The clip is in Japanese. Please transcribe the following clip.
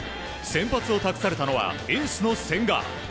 先発を託されたのはエースの千賀。